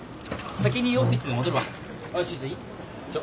先にオフィスに戻るわ。